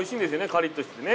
カリッとしててね。